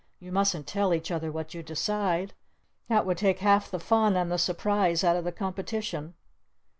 "You mustn't tell each other what you decide. That would take half the fun and the surprise out of the competition!"